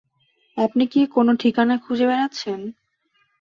আপনি কি কোনো ঠিকানা খুঁজে বেড়াচ্ছেন?